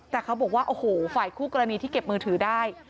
แต่เขาบอกว่าโอ้โหฝ่ายคู่กรณีที่เก็บมือถือได้